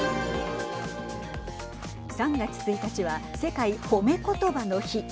３月１日は世界褒めことばの日。